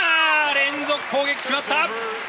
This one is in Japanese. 連続攻撃、決まった！